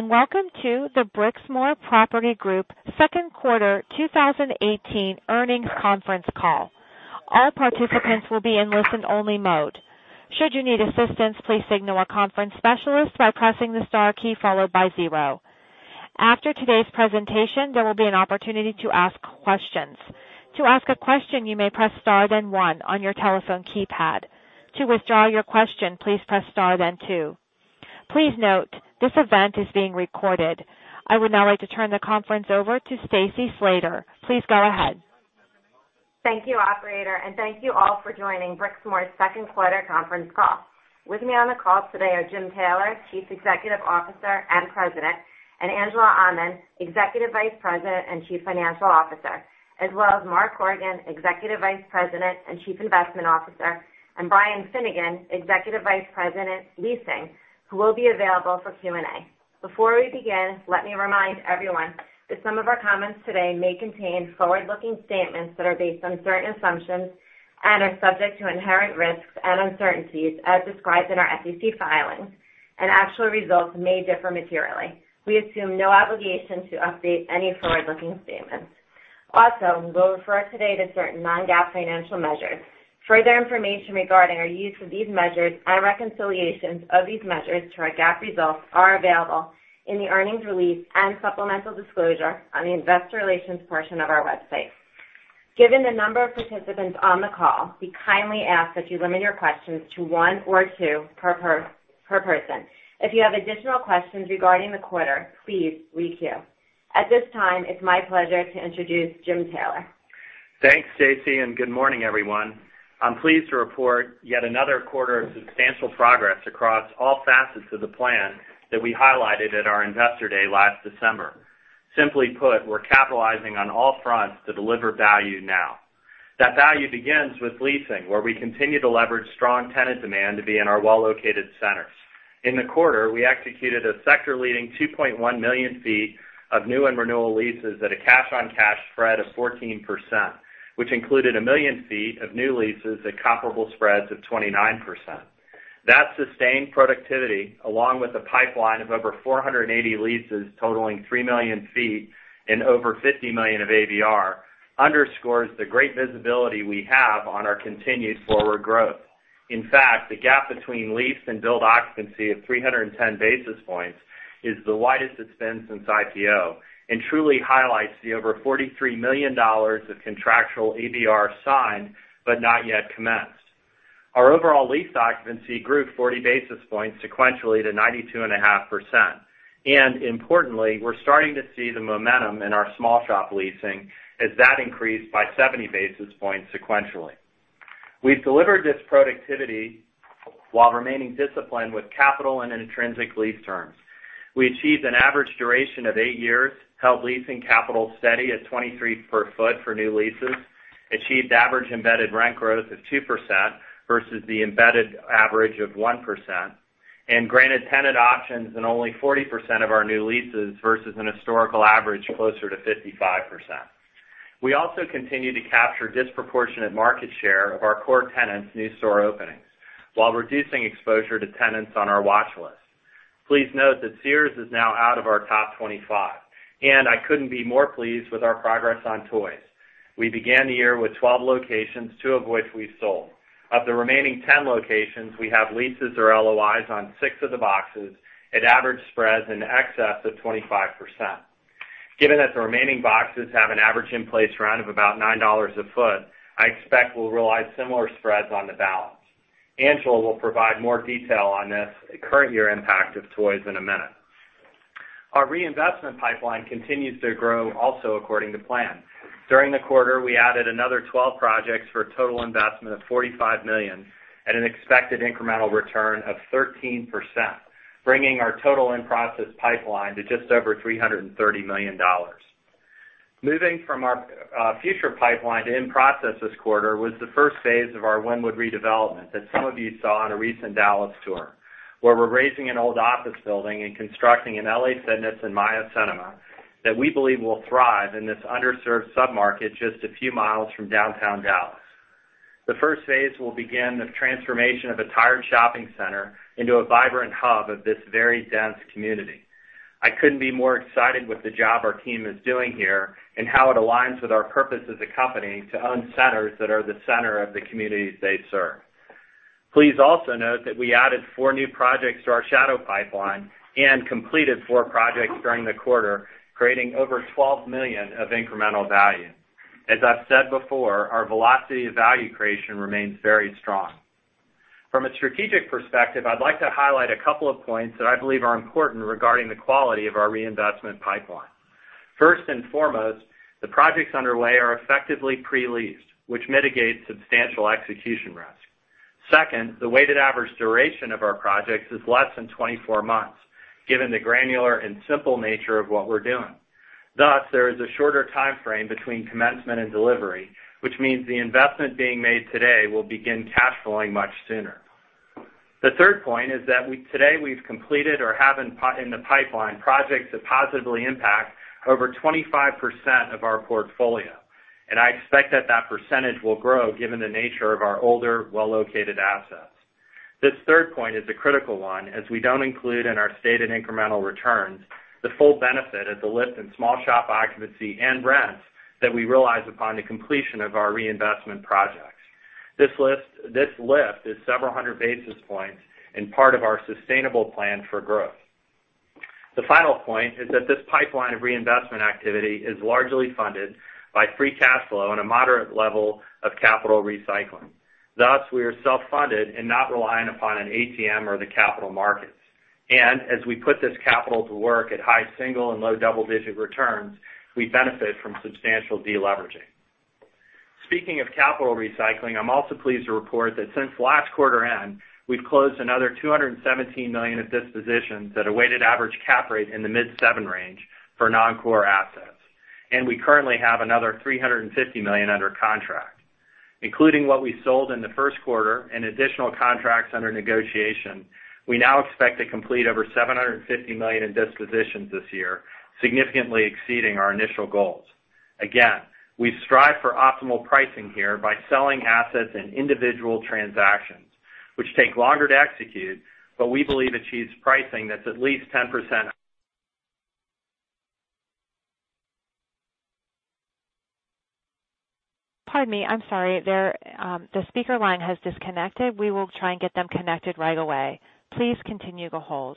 Welcome to the Brixmor Property Group second quarter 2018 earnings conference call. All participants will be in listen-only mode. Should you need assistance, please signal a conference specialist by pressing the star key followed by zero. After today's presentation, there will be an opportunity to ask questions. To ask a question, you may press star then one on your telephone keypad. To withdraw your question, please press star then two. Please note, this event is being recorded. I would now like to turn the conference over to Stacy Slater. Please go ahead. Thank you, operator, thank you all for joining Brixmor's second quarter conference call. With me on the call today are Jim Taylor, Chief Executive Officer and President, Angela Aman, Executive Vice President and Chief Financial Officer, as well as Mark Horgan, Executive Vice President and Chief Investment Officer, and Brian Finnegan, Executive Vice President, Leasing, who will be available for Q&A. Before we begin, let me remind everyone that some of our comments today may contain forward-looking statements that are based on certain assumptions and are subject to inherent risks and uncertainties as described in our SEC filings, actual results may differ materially. We assume no obligation to update any forward-looking statements. Also, we will refer today to certain non-GAAP financial measures. Further information regarding our use of these measures and reconciliations of these measures to our GAAP results are available in the earnings release and supplemental disclosure on the investor relations portion of our website. Given the number of participants on the call, we kindly ask that you limit your questions to one or two per person. If you have additional questions regarding the quarter, please re-queue. At this time, it's my pleasure to introduce Jim Taylor. Thanks, Stacy, good morning, everyone. I'm pleased to report yet another quarter of substantial progress across all facets of the plan that we highlighted at our investor day last December. Simply put, we're capitalizing on all fronts to deliver value now. That value begins with leasing, where we continue to leverage strong tenant demand to be in our well-located centers. In the quarter, we executed a sector-leading 2.1 million feet of new and renewal leases at a cash-on-cash spread of 14%, which included 1 million feet of new leases at comparable spreads of 29%. That sustained productivity, along with a pipeline of over 480 leases totaling 3 million feet and over $50 million of ABR, underscores the great visibility we have on our continued forward growth. The gap between lease and build occupancy of 310 basis points is the widest it's been since IPO and truly highlights the over $43 million of contractual ABR signed but not yet commenced. Our overall lease occupancy grew 40 basis points sequentially to 92.5%. Importantly, we're starting to see the momentum in our small shop leasing as that increased by 70 basis points sequentially. We've delivered this productivity while remaining disciplined with capital and intrinsic lease terms. We achieved an average duration of eight years, held leasing capital steady at $23 per foot for new leases, achieved average embedded rent growth of 2% versus the embedded average of 1%, and granted tenant options in only 40% of our new leases versus an historical average closer to 55%. We also continue to capture disproportionate market share of our core tenants' new store openings while reducing exposure to tenants on our watch list. Please note that Sears is now out of our top 25, and I couldn't be more pleased with our progress on Toys. We began the year with 12 locations, two of which we sold. Of the remaining 10 locations, we have leases or LOIs on six of the boxes at average spreads in excess of 25%. Given that the remaining boxes have an average in-place rent of about $9 a foot, I expect we'll realize similar spreads on the balance. Angela will provide more detail on this current year impact of Toys in a minute. Our reinvestment pipeline continues to grow also according to plan. During the quarter, we added another 12 projects for a total investment of $45 million at an expected incremental return of 13%, bringing our total in-process pipeline to just over $330 million. Moving from our future pipeline to in-process this quarter was the first phase of our Wynnewood redevelopment that some of you saw on a recent Dallas tour, where we're razing an old office building and constructing an LA Fitness and Maya Cinema that we believe will thrive in this underserved sub-market just a few miles from downtown Dallas. The first phase will begin the transformation of a tired shopping center into a vibrant hub of this very dense community. I couldn't be more excited with the job our team is doing here and how it aligns with our purpose as a company to own centers that are the center of the communities they serve. Please also note that we added four new projects to our shadow pipeline and completed four projects during the quarter, creating over $12 million of incremental value. As I've said before, our velocity of value creation remains very strong. From a strategic perspective, I'd like to highlight a couple of points that I believe are important regarding the quality of our reinvestment pipeline. First and foremost, the projects underway are effectively pre-leased, which mitigates substantial execution risk. Second, the weighted average duration of our projects is less than 24 months, given the granular and simple nature of what we're doing. There is a shorter timeframe between commencement and delivery, which means the investment being made today will begin cash flowing much sooner. The third point is that today we've completed or have in the pipeline projects that positively impact over 25% of our portfolio. I expect that that percentage will grow given the nature of our older, well-located assets. This third point is a critical one, as we don't include in our stated incremental returns the full benefit of the lift in small shop occupancy and rents that we realize upon the completion of our reinvestment projects. This lift is several hundred basis points and part of our sustainable plan for growth. The final point is that this pipeline of reinvestment activity is largely funded by free cash flow and a moderate level of capital recycling. Thus, we are self-funded and not reliant upon an ATM or the capital markets. As we put this capital to work at high single and low double-digit returns, we benefit from substantial de-leveraging. Speaking of capital recycling, I'm also pleased to report that since last quarter end, we've closed another $217 million of dispositions at a weighted average cap rate in the mid seven range for non-core assets. We currently have another $350 million under contract. Including what we sold in the first quarter and additional contracts under negotiation, we now expect to complete over $750 million in dispositions this year, significantly exceeding our initial goals. Again, we strive for optimal pricing here by selling assets in individual transactions, which take longer to execute, but we believe achieves pricing that's at least 10%. Pardon me. I'm sorry. The speaker line has disconnected. We will try and get them connected right away. Please continue to hold.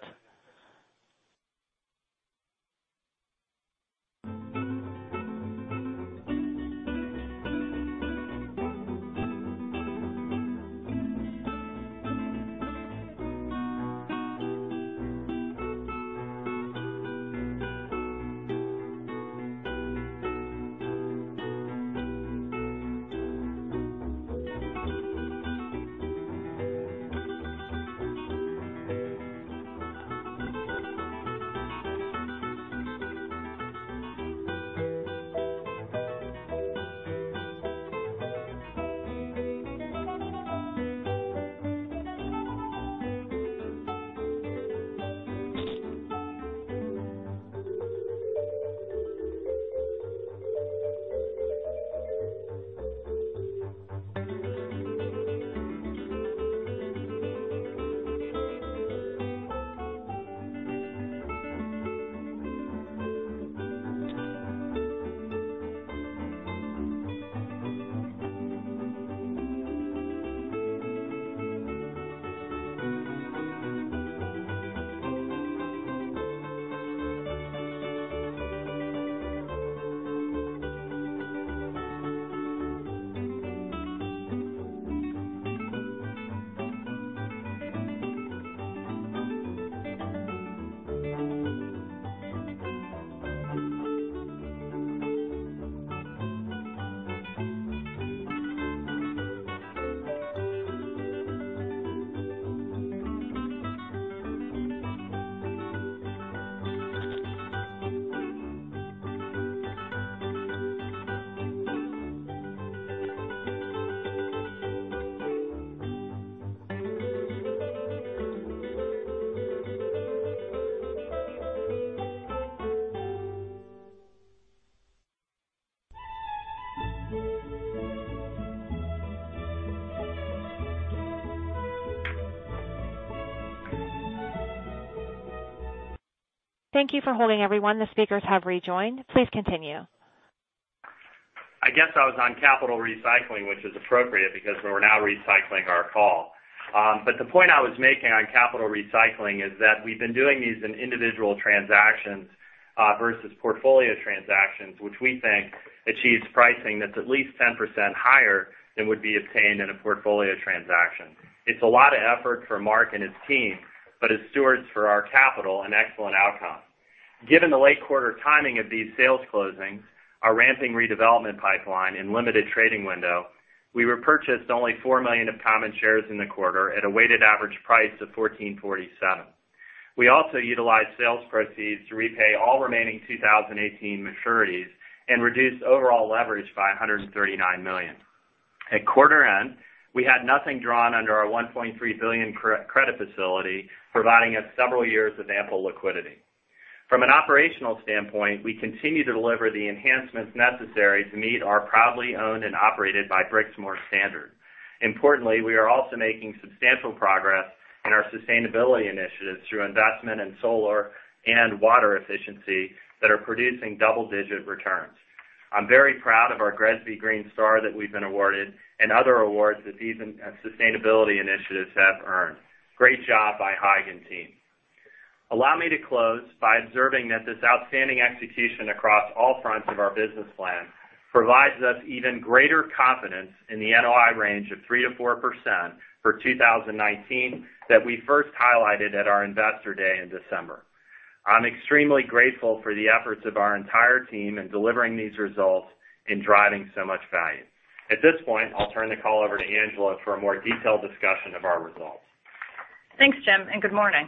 Thank you for holding, everyone. The speakers have rejoined. Please continue. I guess I was on capital recycling, which is appropriate because we're now recycling our call. The point I was making on capital recycling is that we've been doing these in individual transactions versus portfolio transactions, which we think achieves pricing that's at least 10% higher than would be obtained in a portfolio transaction. It's a lot of effort for Mark and his team, but it stewards for our capital and excellent outcome. Given the late quarter timing of these sales closings, our ramping redevelopment pipeline, and limited trading window, we repurchased only $4 million of common shares in the quarter at a weighted average price of $14.47. We also utilized sales proceeds to repay all remaining 2018 maturities and reduce overall leverage by $139 million. At quarter end, we had nothing drawn under our $1.3 billion credit facility, providing us several years of ample liquidity. From an operational standpoint, we continue to deliver the enhancements necessary to meet our proudly owned and operated by Brixmor standard. Importantly, we are also making substantial progress in our sustainability initiatives through investment in solar and water efficiency that are producing double-digit returns. I'm very proud of our GRESB Green Star that we've been awarded and other awards that these sustainability initiatives have earned. Great job by Hai and team. Allow me to close by observing that this outstanding execution across all fronts of our business plan provides us even greater confidence in the NOI range of 3%-4% for 2019 that we first highlighted at our investor day in December. I'm extremely grateful for the efforts of our entire team in delivering these results and driving so much value. At this point, I'll turn the call over to Angela for a more detailed discussion of our results. Thanks, Jim. Good morning.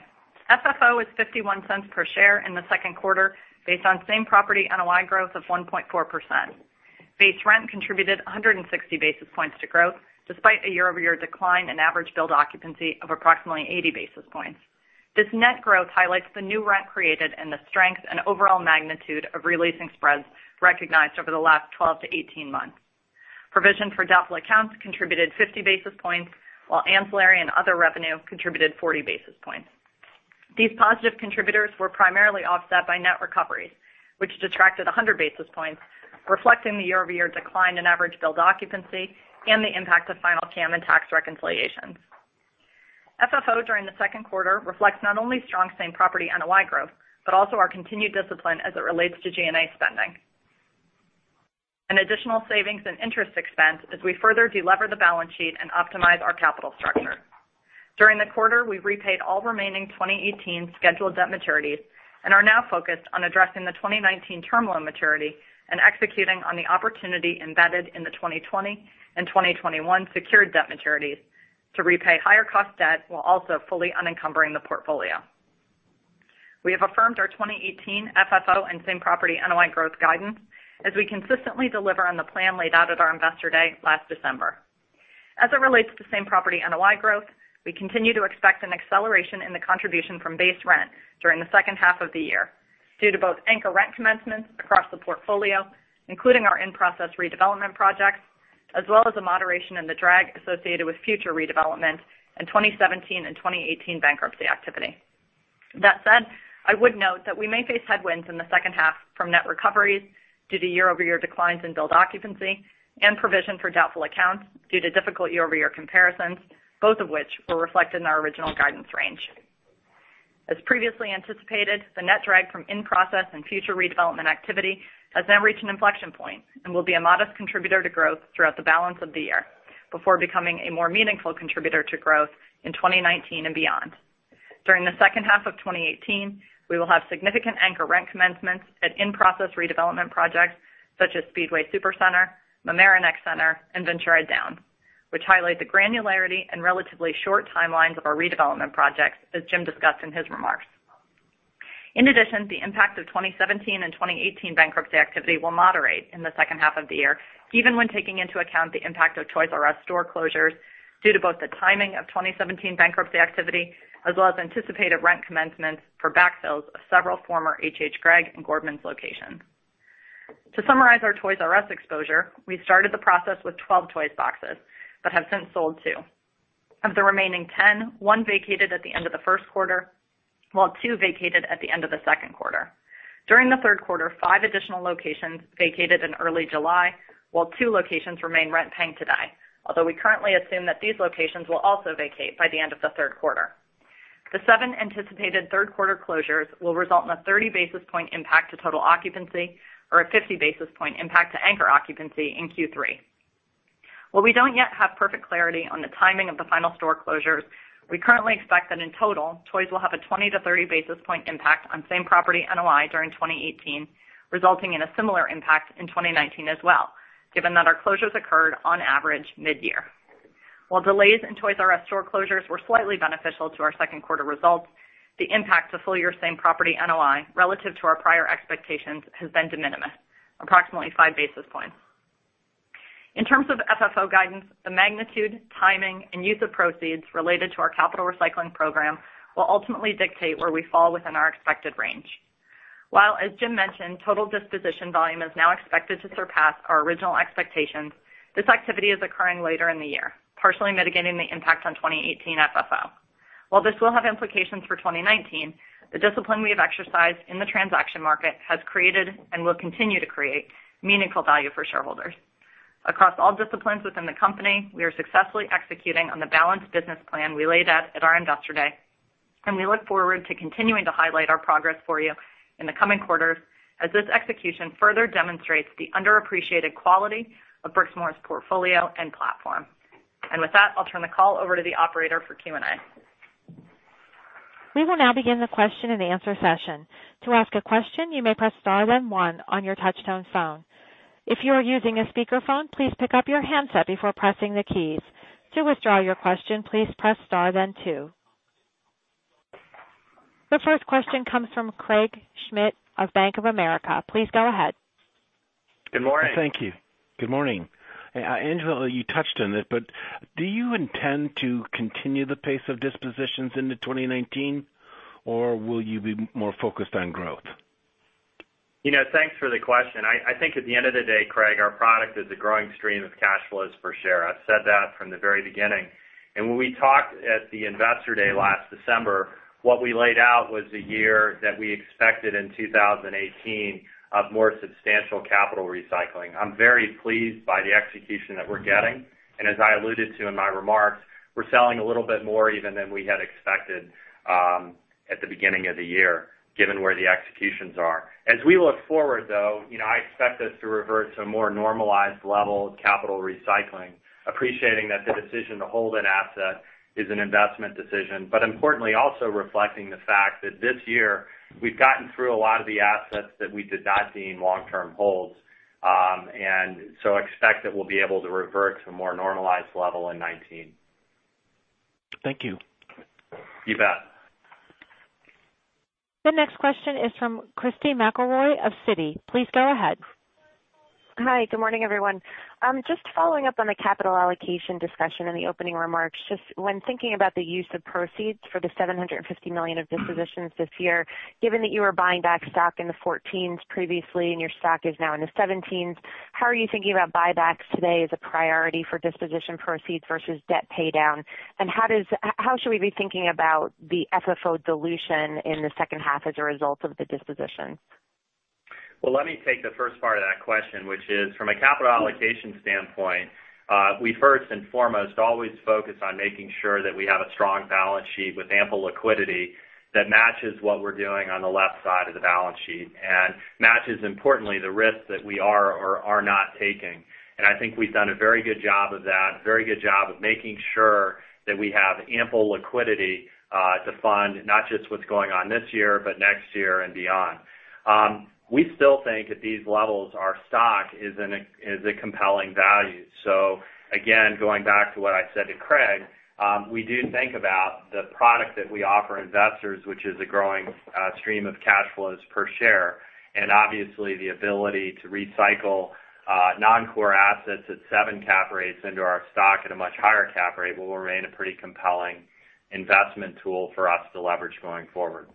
FFO was $0.51 per share in the second quarter, based on same-property NOI growth of 1.4%. Base rent contributed 160 basis points to growth, despite a year-over-year decline in average build occupancy of approximately 80 basis points. This net growth highlights the new rent created and the strength and overall magnitude of re-leasing spreads recognized over the last 12 to 18 months. Provision for doubtful accounts contributed 50 basis points, while ancillary and other revenue contributed 40 basis points. These positive contributors were primarily offset by net recoveries, which detracted 100 basis points, reflecting the year-over-year decline in average build occupancy and the impact of final CAM and tax reconciliations. FFO during the second quarter reflects not only strong same-property NOI growth, but also our continued discipline as it relates to G&A spending. An additional savings and interest expense as we further de-lever the balance sheet and optimize our capital structure. During the quarter, we've repaid all remaining 2018 scheduled debt maturities and are now focused on addressing the 2019 term loan maturity and executing on the opportunity embedded in the 2020 and 2021 secured debt maturities to repay higher cost debt, while also fully unencumbering the portfolio. We have affirmed our 2018 FFO and same-property NOI growth guidance as we consistently deliver on the plan laid out at our investor day last December. As it relates to same-property NOI growth, we continue to expect an acceleration in the contribution from base rent during the second half of the year due to both anchor rent commencements across the portfolio, including our in-process redevelopment projects, as well as a moderation in the drag associated with future redevelopment in 2017 and 2018 bankruptcy activity. That said, I would note that we may face headwinds in the second half from net recoveries due to year-over-year declines in build occupancy and provision for doubtful accounts due to difficult year-over-year comparisons, both of which were reflected in our original guidance range. As previously anticipated, the net drag from in-process and future redevelopment activity has now reached an inflection point and will be a modest contributor to growth throughout the balance of the year before becoming a more meaningful contributor to growth in 2019 and beyond. During the second half of 2018, we will have significant anchor rent commencements at in-process redevelopment projects such as Speedway Supercenter, Mamaroneck Center, and Ventura Downs, which highlight the granularity and relatively short timelines of our redevelopment projects, as Jim discussed in his remarks. In addition, the impact of 2017 and 2018 bankruptcy activity will moderate in the second half of the year, even when taking into account the impact of Toys "R" Us store closures due to both the timing of 2017 bankruptcy activity as well as anticipated rent commencements for backfills of several former HHGregg and Gordmans locations. To summarize our Toys "R" Us exposure, we started the process with 12 toys boxes but have since sold two. Of the remaining ten, one vacated at the end of the first quarter, while two vacated at the end of the second quarter. During the third quarter, five additional locations vacated in early July, while two locations remain rent-paying today. Although we currently assume that these locations will also vacate by the end of the third quarter. The seven anticipated third-quarter closures will result in a 30 basis point impact to total occupancy or a 50 basis point impact to anchor occupancy in Q3. We don't yet have perfect clarity on the timing of the final store closures, we currently expect that in total, Toys will have a 20- to 30-basis-point impact on same-property NOI during 2018, resulting in a similar impact in 2019 as well, given that our closures occurred on average mid-year. Delays in Toys "R" Us store closures were slightly beneficial to our second quarter results, the impact to full-year same-property NOI relative to our prior expectations has been de minimis, approximately five basis points. In terms of FFO guidance, the magnitude, timing, and use of proceeds related to our capital recycling program will ultimately dictate where we fall within our expected range. As Jim mentioned, total disposition volume is now expected to surpass our original expectations, this activity is occurring later in the year, partially mitigating the impact on 2018 FFO. This will have implications for 2019, the discipline we have exercised in the transaction market has created and will continue to create meaningful value for shareholders. Across all disciplines within the company, we are successfully executing on the balanced business plan we laid out at our investor day, and we look forward to continuing to highlight our progress for you in the coming quarters as this execution further demonstrates the underappreciated quality of Brixmor's portfolio and platform. With that, I'll turn the call over to the operator for Q&A. We will now begin the question and answer session. To ask a question, you may press star then one on your touch-tone phone. If you are using a speakerphone, please pick up your handset before pressing the keys. To withdraw your question, please press star then two. The first question comes from Craig Schmidt of Bank of America. Please go ahead. Good morning. Thank you. Good morning. Angela, you touched on it, do you intend to continue the pace of dispositions into 2019, or will you be more focused on growth? Thanks for the question. I think at the end of the day, Craig, our product is a growing stream of cash flows per share. I've said that from the very beginning. When we talked at the investor day last December, what we laid out was a year that we expected in 2018 of more substantial capital recycling. I'm very pleased by the execution that we're getting, and as I alluded to in my remarks, we're selling a little bit more even than we had expected at the beginning of the year, given where the executions are. As we look forward, though, I expect us to revert to a more normalized level of capital recycling, appreciating that the decision to hold an asset is an investment decision. Importantly, also reflecting the fact that this year we've gotten through a lot of the assets that we did not deem long-term holds. Expect that we'll be able to revert to a more normalized level in 2019. Thank you. You bet. The next question is from Christy McElroy of Citigroup. Please go ahead. Hi. Good morning, everyone. Just following up on the capital allocation discussion in the opening remarks. Just when thinking about the use of proceeds for the $750 million of dispositions this year, given that you were buying back stock in the 14s previously and your stock is now in the 17s, how are you thinking about buybacks today as a priority for disposition proceeds versus debt paydown? How should we be thinking about the FFO dilution in the second half as a result of the disposition? Well, let me take the first part of that question, which is, from a capital allocation standpoint, we first and foremost always focus on making sure that we have a strong balance sheet with ample liquidity that matches what we're doing on the left side of the balance sheet and matches, importantly, the risk that we are or are not taking. I think we've done a very good job of that, very good job of making sure that we have ample liquidity, to fund not just what's going on this year, but next year and beyond. We still think at these levels, our stock is a compelling value. Again, going back to what I said to Craig, we do think about the product that we offer investors, which is a growing stream of cash flows per share, and obviously the ability to recycle non-core assets at seven cap rates into our stock at a much higher cap rate will remain a pretty compelling investment tool for us to leverage going forward.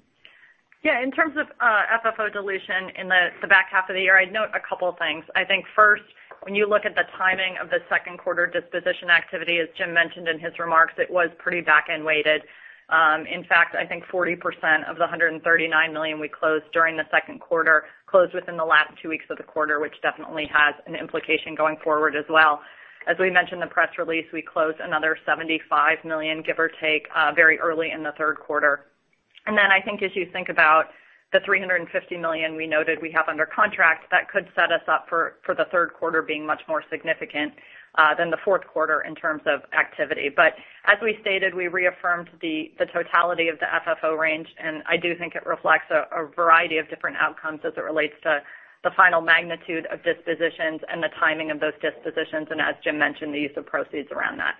Yeah. In terms of FFO dilution in the back half of the year, I'd note a couple of things. I think first, when you look at the timing of the second quarter disposition activity, as Jim mentioned in his remarks, it was pretty back-end weighted. In fact, I think 40% of the $139 million we closed during the second quarter closed within the last two weeks of the quarter, which definitely has an implication going forward as well. As we mentioned in the press release, we closed another $75 million, give or take, very early in the third quarter. I think as you think about the $350 million we noted we have under contract, that could set us up for the third quarter being much more significant than the fourth quarter in terms of activity. As we stated, we reaffirmed the totality of the FFO range, and I do think it reflects a variety of different outcomes as it relates to the final magnitude of dispositions and the timing of those dispositions and, as Jim mentioned, the use of proceeds around that.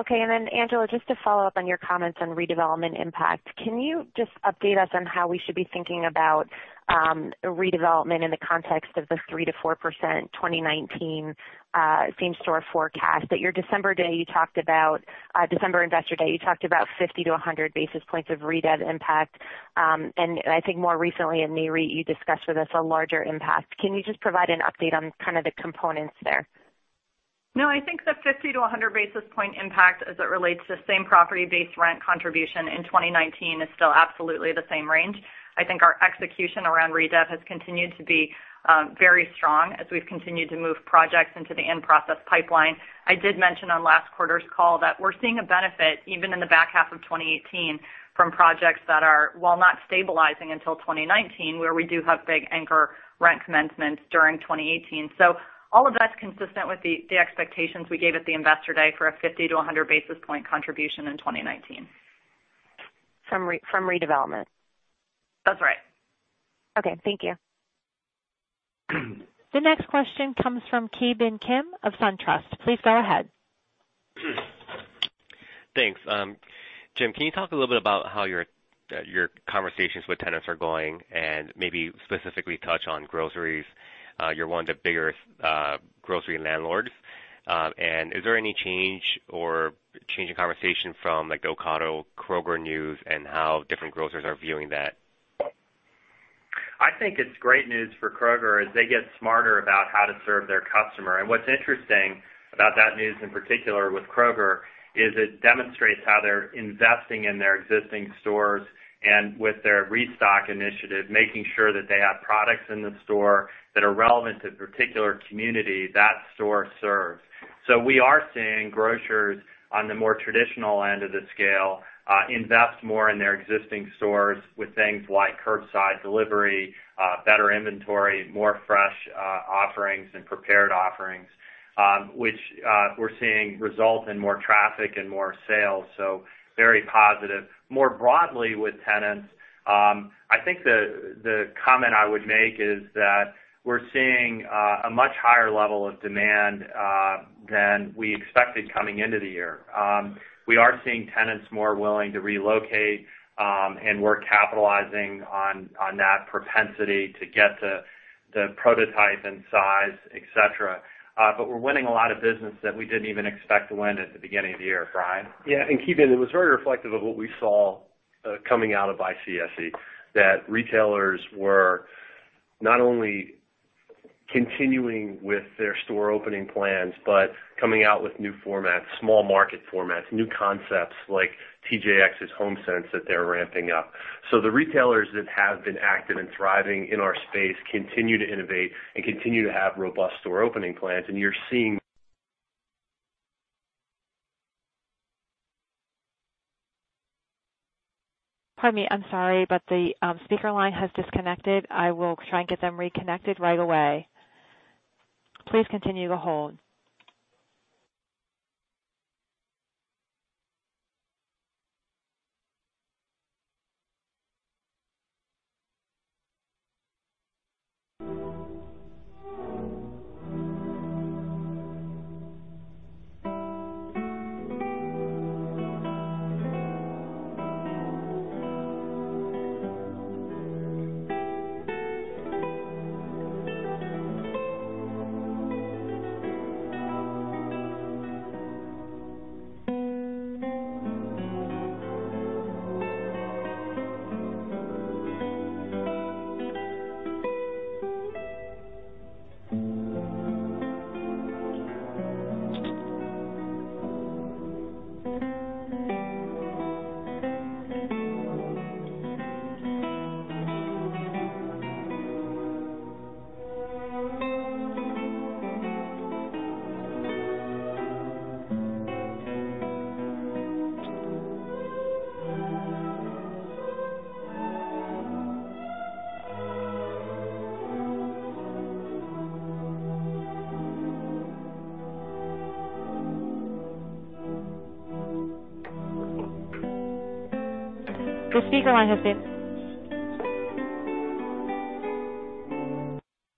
Okay. Angela, just to follow up on your comments on redevelopment impact, can you just update us on how we should be thinking about redevelopment in the context of the 3%-4% 2019 same-store forecast? At your December investor day, you talked about 50 to 100 basis points of redev impact. I think more recently in the REITweek, you discussed with us a larger impact. Can you just provide an update on kind of the components there? No, I think the 50 to 100 basis point impact as it relates to same property-based rent contribution in 2019 is still absolutely the same range. I think our execution around redev has continued to be very strong as we've continued to move projects into the in-process pipeline. I did mention on last quarter's call that we're seeing a benefit even in the back half of 2018 from projects that are, while not stabilizing until 2019, where we do have big anchor rent commencements during 2018. All of that's consistent with the expectations we gave at the investor day for a 50 to 100 basis point contribution in 2019. From redevelopment? That's right. Okay. Thank you. The next question comes from Ki Bin of Sun Trust. Please go ahead. Thanks. Jim, can you talk a little bit about how your conversations with tenants are going and maybe specifically touch on groceries? You're one of the bigger grocery landlords. Is there any change in conversation from the Ocado Kroger news and how different grocers are viewing that? I think it's great news for Kroger as they get smarter about how to serve their customer. What's interesting about that news, in particular with Kroger, is it demonstrates how they're investing in their existing stores and with their restock initiative, making sure that they have products in the store that are relevant to the particular community that store serves. We are seeing grocers on the more traditional end of the scale invest more in their existing stores with things like curbside delivery, better inventory, more fresh offerings, and prepared offerings, which we're seeing result in more traffic and more sales. Very positive. More broadly with tenants, I think the comment I would make is that we're seeing a much higher level of demand than we expected coming into the year. We are seeing tenants more willing to relocate, we're capitalizing on that propensity to get the prototype and size, et cetera. We're winning a lot of business that we didn't even expect to win at the beginning of the year. Brian? Yeah. Ki Bin, it was very reflective of what we saw coming out of ICSC, that retailers were not only continuing with their store opening plans, coming out with new formats, small market formats, new concepts like TJX's HomeSense that they're ramping up. The retailers that have been active and thriving in our space continue to innovate and continue to have robust store opening plans. Pardon me. I'm sorry, the speaker line has disconnected. I will try and get them reconnected right away. Please continue to hold.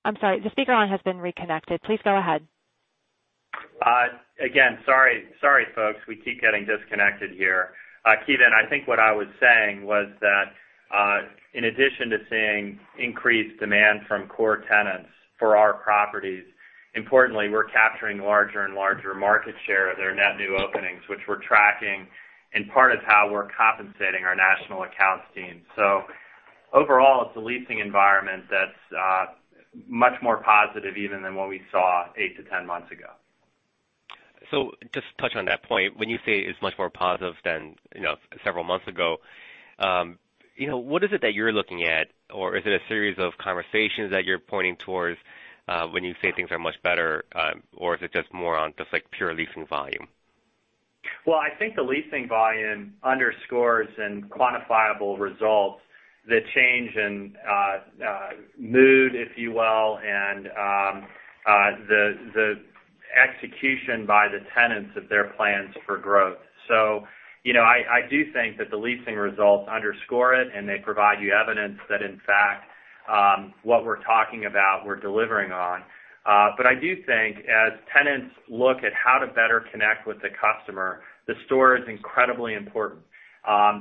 I'm sorry. The speaker line has been reconnected. Please go ahead. Again, sorry, folks. We keep getting disconnected here. Ki Bin, I think what I was saying was that in addition to seeing increased demand from core tenants for our properties, importantly, we're capturing larger and larger market share of their net new openings, which we're tracking and part of how we're compensating our national accounts team. Overall, it's a leasing environment that's much more positive even than what we saw eight to 10 months ago. Just to touch on that point, when you say it's much more positive than several months ago, what is it that you're looking at, or is it a series of conversations that you're pointing towards when you say things are much better, or is it just more on just pure leasing volume? I think the leasing volume underscores in quantifiable results the change in mood, if you will, and the execution by the tenants of their plans for growth. I do think that the leasing results underscore it, and they provide you evidence that, in fact, what we're talking about, we're delivering on. I do think as tenants look at how to better connect with the customer, the store is incredibly important.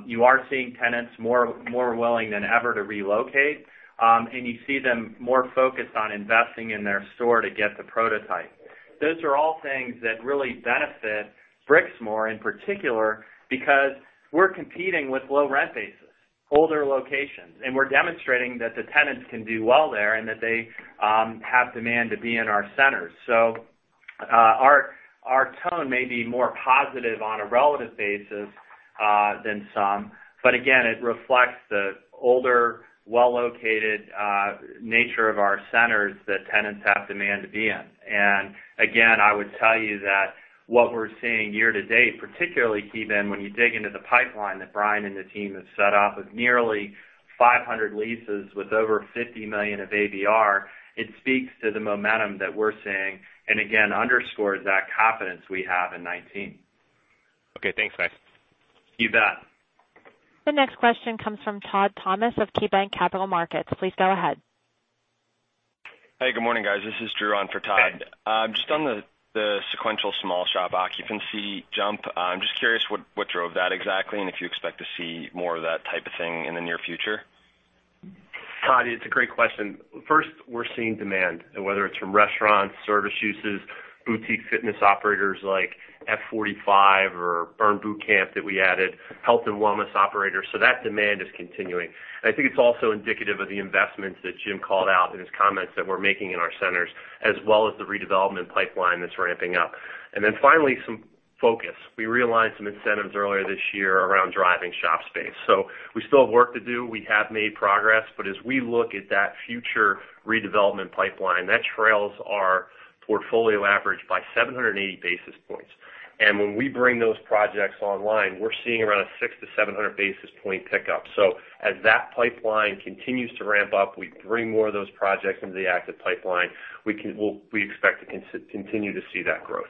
You are seeing tenants more willing than ever to relocate, and you see them more focused on investing in their store to get the prototype. Those are all things that really benefit Brixmor in particular because we're competing with low rent bases, older locations, and we're demonstrating that the tenants can do well there and that they have demand to be in our centers. Our tone may be more positive on a relative basis than some, again, it reflects the older, well-located nature of our centers that tenants have demand to be in. Again, I would tell you that what we're seeing year to date, particularly, Ki Bin, when you dig into the pipeline that Brian and the team have set up of nearly 500 leases with over $50 million of ABR, it speaks to the momentum that we're seeing, and again, underscores that confidence we have in 2019. Thanks, guys. You bet. The next question comes from Todd Thomas of KeyBanc Capital Markets. Please go ahead. Hey, good morning, guys. This is Drew on for Todd. Hey. Just on the sequential small shop occupancy jump, I'm just curious what drove that exactly and if you expect to see more of that type of thing in the near future. Todd, it's a great question. First, we're seeing demand, whether it's from restaurants, service uses, boutique fitness operators like F45 or Burn Boot Camp that we added, health and wellness operators. That demand is continuing. I think it's also indicative of the investments that Jim called out in his comments that we're making in our centers, as well as the redevelopment pipeline that's ramping up. Finally, some focus. We realigned some incentives earlier this year around driving shop space. We still have work to do. We have made progress, as we look at that future redevelopment pipeline, that trails our portfolio average by 780 basis points. When we bring those projects online, we're seeing around a 600-700 basis point pickup. As that pipeline continues to ramp up, we bring more of those projects into the active pipeline, we expect to continue to see that growth.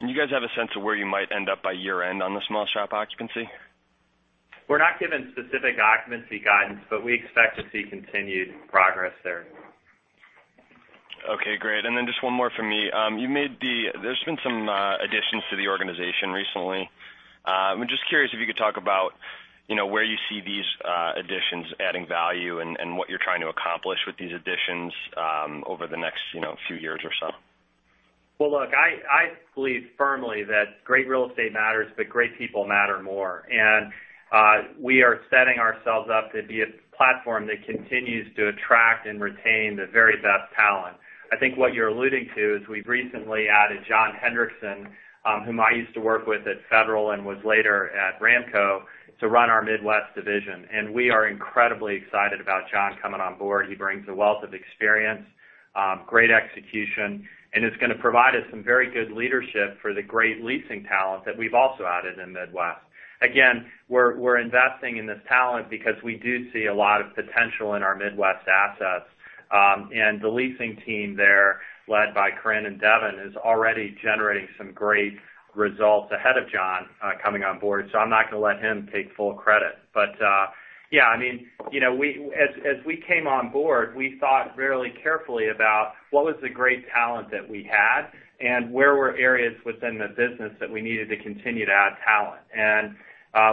Do you guys have a sense of where you might end up by year-end on the small shop occupancy? We're not giving specific occupancy guidance, we expect to see continued progress there. Just one more from me. There's been some additions to the organization recently. I'm just curious if you could talk about where you see these additions adding value and what you're trying to accomplish with these additions over the next few years or so. Well, look, I believe firmly that great real estate matters, but great people matter more. We are setting ourselves up to be a platform that continues to attract and retain the very best talent. I think what you're alluding to is we've recently added John Hendrickson, whom I used to work with at Federal and was later at Ramco, to run our Midwest division. We are incredibly excited about John coming on board. He brings a wealth of experience, great execution, and is going to provide us some very good leadership for the great leasing talent that we've also added in Midwest. Again, we're investing in this talent because we do see a lot of potential in our Midwest assets. The leasing team there, led by Corinne and Devin, is already generating some great results ahead of John coming on board. I'm not going to let him take full credit, but. Yeah. As we came on board, we thought really carefully about what was the great talent that we had and where were areas within the business that we needed to continue to add talent.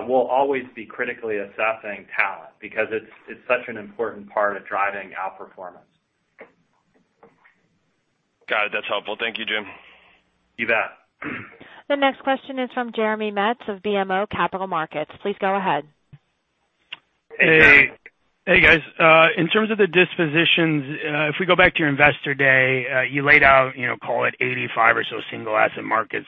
We'll always be critically assessing talent because it's such an important part of driving outperformance. Got it. That's helpful. Thank you, Jim. You bet. The next question is from Jeremy Metz of BMO Capital Markets. Please go ahead. Hey. Hey, Jeremy. Hey guys. In terms of the dispositions, if we go back to your investor day, you laid out, call it 85 or so single-asset markets.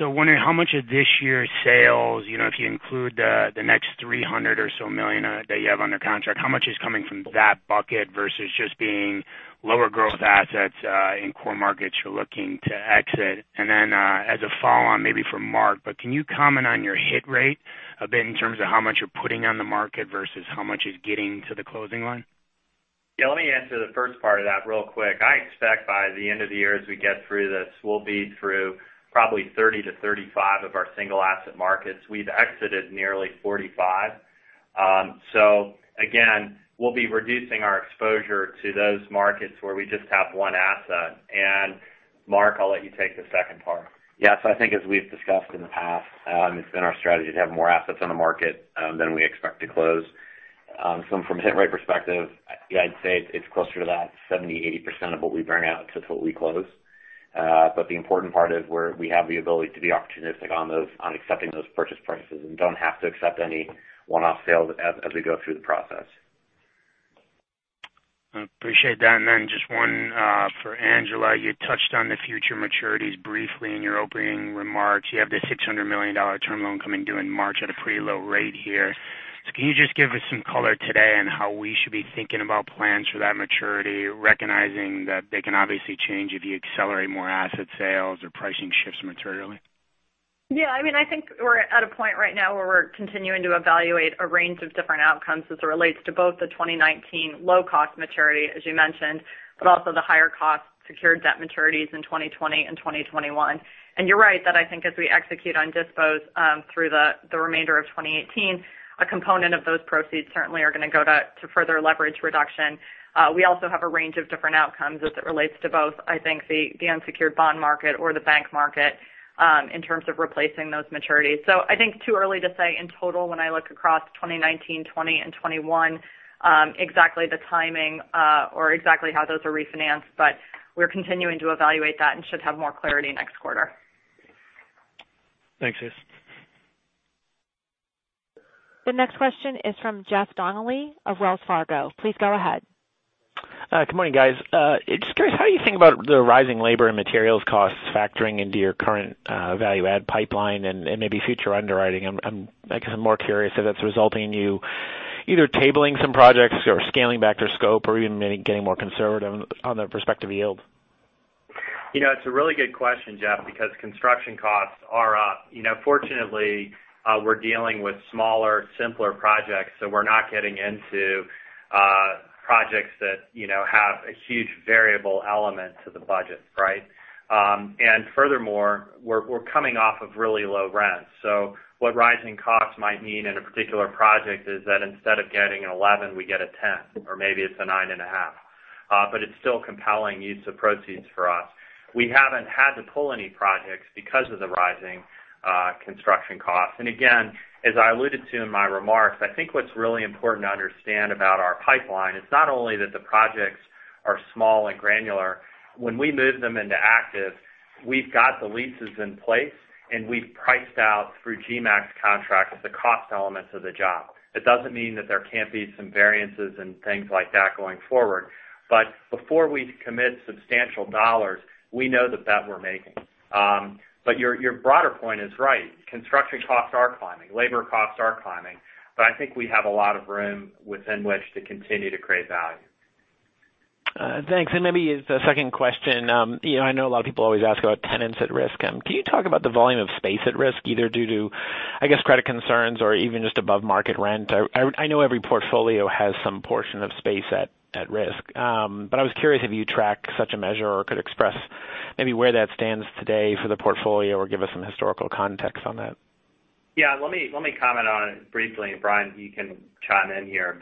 Wondering how much of this year's sales, if you include the next $300 million or so that you have under contract, how much is coming from that bucket versus just being lower growth assets in core markets you're looking to exit? As a follow-on maybe for Mark, but can you comment on your hit rate a bit in terms of how much you're putting on the market versus how much is getting to the closing line? Let me answer the first part of that real quick. I expect by the end of the year, as we get through this, we'll be through probably 30-35 of our single-asset markets. We've exited nearly 45. Again, we'll be reducing our exposure to those markets where we just have one asset. Mark, I'll let you take the second part. I think as we've discussed in the past, it's been our strategy to have more assets on the market than we expect to close. From hit rate perspective, I'd say it's closer to that 70%-80% of what we bring out to what we close. The important part is where we have the ability to be opportunistic on accepting those purchase prices and don't have to accept any one-off sales as we go through the process. Appreciate that. Then just one for Angela. You touched on the future maturities briefly in your opening remarks. You have this $600 million term loan coming due in March at a pretty low rate here. Can you just give us some color today on how we should be thinking about plans for that maturity, recognizing that they can obviously change if you accelerate more asset sales or pricing shifts materially? I think we're at a point right now where we're continuing to evaluate a range of different outcomes as it relates to both the 2019 low-cost maturity, as you mentioned, also the higher-cost secured debt maturities in 2020 and 2021. You're right that I think as we execute on dispos through the remainder of 2018, a component of those proceeds certainly are going to go to further leverage reduction. We also have a range of different outcomes as it relates to both, I think, the unsecured bond market or the bank market in terms of replacing those maturities. I think too early to say in total when I look across 2019, 2020, and 2021, exactly the timing or exactly how those are refinanced, but we're continuing to evaluate that and should have more clarity next quarter. Thanks, guys. The next question is from Jeff Donnelly of Wells Fargo. Please go ahead. Good morning, guys. Just curious how you think about the rising labor and materials costs factoring into your current value add pipeline and maybe future underwriting. I guess I'm more curious if it's resulting in you either tabling some projects or scaling back their scope or even maybe getting more conservative on the prospective yield. It's a really good question, Jeff, because construction costs are up. Fortunately, we're dealing with smaller, simpler projects, so we're not getting into projects that have a huge variable element to the budget, right? Furthermore, we're coming off of really low rents. What rising costs might mean in a particular project is that instead of getting an 11, we get a 10, or maybe it's a nine and a half. It's still compelling use of proceeds for us. We haven't had to pull any projects because of the rising construction costs. Again, as I alluded to in my remarks, I think what's really important to understand about our pipeline, it's not only that the projects are small and granular. When we move them into active, we've got the leases in place, and we've priced out through GMP contracts the cost elements of the job. That doesn't mean that there can't be some variances and things like that going forward. Before we commit substantial $, we know that we're making. Your broader point is right. Construction costs are climbing. Labor costs are climbing. I think we have a lot of room within which to continue to create value. Thanks. Maybe as a second question. I know a lot of people always ask about tenants at risk. Can you talk about the volume of space at risk, either due to, I guess, credit concerns or even just above-market rent? I know every portfolio has some portion of space at risk. I was curious if you track such a measure or could express maybe where that stands today for the portfolio or give us some historical context on that. Yeah. Let me comment on it briefly, Brian, you can chime in here.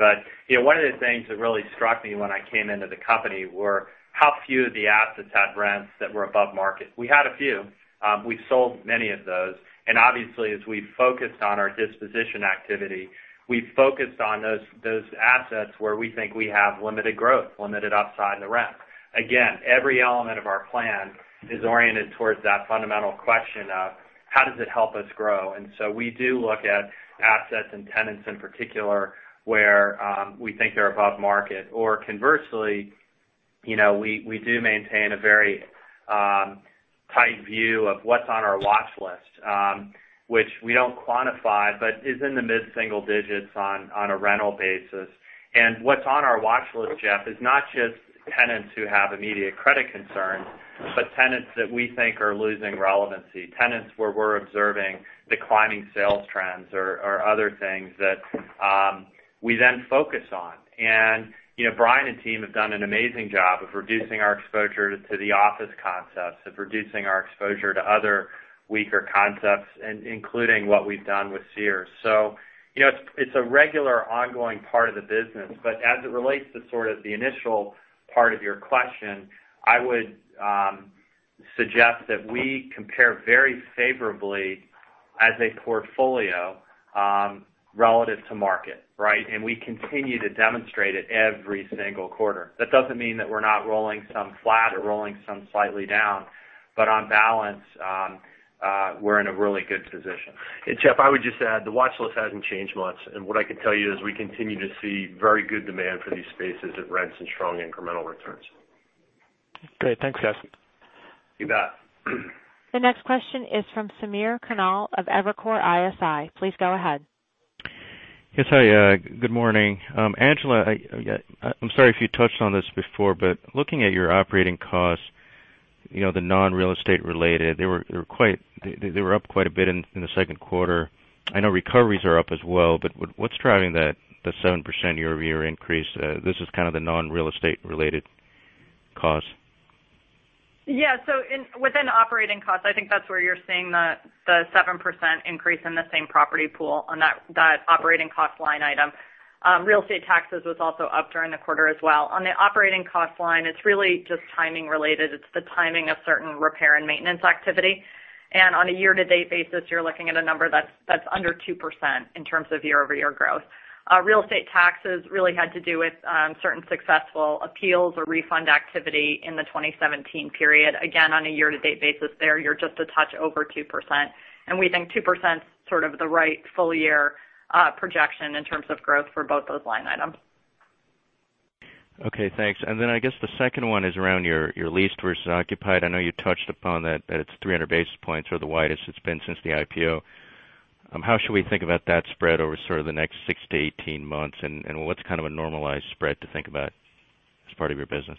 One of the things that really struck me when I came into the company were how few of the assets had rents that were above market. We had a few. We've sold many of those, and obviously, as we focused on our disposition activity, we focused on those assets where we think we have limited growth, limited upside in the rent. Again, every element of our plan is oriented towards that fundamental question of how does it help us grow? We do look at assets and tenants in particular where we think they're above market. Conversely, we do maintain a very tight view of what's on our watch list, which we don't quantify but is in the mid-single digits on a rental basis. What's on our watch list, Jeff, is not just tenants who have immediate credit concerns, but tenants that we think are losing relevancy, tenants where we're observing declining sales trends or other things that we then focus on. Brian and team have done an amazing job of reducing our exposure to the office concepts, of reducing our exposure to other weaker concepts, including what we've done with Sears. It's a regular ongoing part of the business, as it relates to sort of the initial part of your question, I would suggest that we compare very favorably as a portfolio, relative to market. Right? We continue to demonstrate it every single quarter. That doesn't mean that we're not rolling some flat or rolling some slightly down, on balance, we're in a really good position. Jeff, I would just add, the watchlist hasn't changed much, and what I can tell you is we continue to see very good demand for these spaces at rents and strong incremental returns. Great. Thanks, guys. You bet. The next question is from Samir Khanal of Evercore ISI. Please go ahead. Yes. Hi, good morning. Angela, I'm sorry if you touched on this before, but looking at your operating costs, the non-real estate related, they were up quite a bit in the second quarter. I know recoveries are up as well, but what's driving the 7% year-over-year increase? This is kind of the non-real estate related costs. Yeah. Within operating costs, I think that's where you're seeing the 7% increase in the same property pool on that operating cost line item. Real estate taxes was also up during the quarter as well. On the operating cost line, it's really just timing related. It's the timing of certain repair and maintenance activity. On a year-to-date basis, you're looking at a number that's under 2% in terms of year-over-year growth. Real estate taxes really had to do with certain successful appeals or refund activity in the 2017 period. On a year-to-date basis there, you're just a touch over 2%. We think 2% is sort of the right full-year projection in terms of growth for both those line items. Okay, thanks. I guess the second one is around your leased versus occupied. I know you touched upon that it's 300 basis points or the widest it's been since the IPO. How should we think about that spread over sort of the next 6 to 18 months, and what's kind of a normalized spread to think about as part of your business?